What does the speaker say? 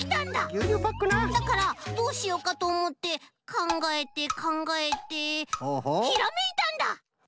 ぎゅうにゅうパックなだからどうしようかとおもってかんがえてかんがえてひらめいたんだ！